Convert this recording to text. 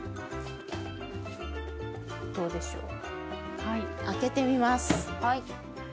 どうでしょう？